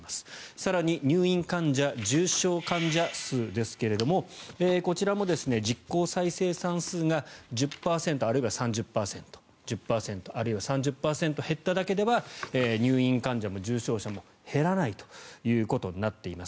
更に入院患者、重症患者数ですがこちらも実効再生産数が１０％あるいは３０％減っただけでは入院患者も重症者も減らないということになっています。